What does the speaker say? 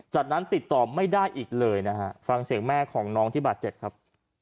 จากนั้นติดต่อไม่ได้อีกเลยนะฮะฟังเสียงแม่ของน้องที่บาดเจ็บครับ